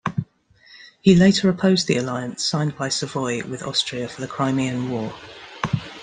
He later opposed the alliance signed by Savoy with Austria for the Crimean War.